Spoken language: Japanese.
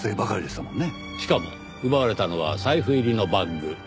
しかも奪われたのは財布入りのバッグ。